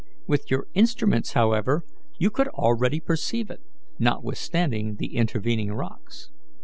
With your instruments, however, you could already perceive it, notwithstanding the intervening rocks.